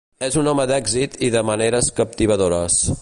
És un home d'èxit i de maneres captivadores.